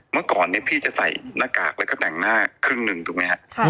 เมื่อก่อนเนี่ยพี่จะใส่หน้ากากแล้วก็แต่งหน้าครึ่งหนึ่งถูกไหมฮะ